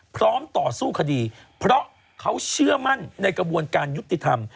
พร้อมต่อสู้คดีเพราะเขาเชื่อมั่นในกระบวนการยุติธรรม